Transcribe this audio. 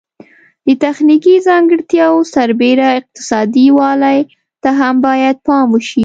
د تخنیکي ځانګړتیاوو سربیره اقتصادي والی ته هم باید پام وشي.